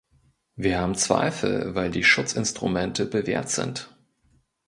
Wir haben Zweifel, weil die Schutzinstrumente bewährt sind.